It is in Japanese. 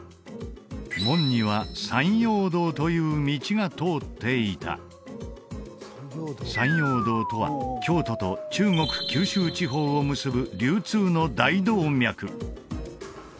門には山陽道という道が通っていた山陽道とは京都と中国九州地方を結ぶ